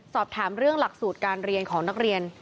สอบถามเรื่องหลักสูตรการเรียนของนักเรียน